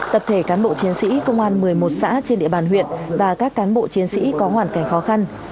tập thể cán bộ chiến sĩ công an một mươi một xã trên địa bàn huyện và các cán bộ chiến sĩ có hoàn cảnh khó khăn